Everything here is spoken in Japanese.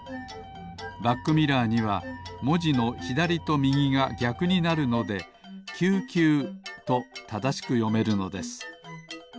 バックミラーにはもじのひだりとみぎがぎゃくになるので「救急」とただしくよめるのです。